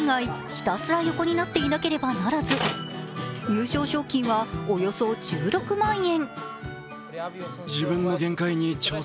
ひたすら横になっていなければならず優勝賞金はおよそ１６万円。